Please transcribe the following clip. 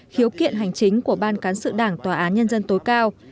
khiếu kiện hành chính của ban cán sự đảng tòa án nhân dân tối cao